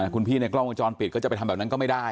คุณพี่ในกล้องวงจรปิดก็จะไปทำแบบนั้นก็ไม่ได้